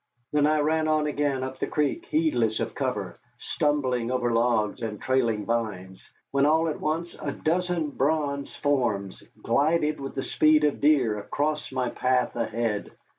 Then I ran on again up the creek, heedless of cover, stumbling over logs and trailing vines, when all at once a dozen bronze forms glided with the speed of deer across my path ahead.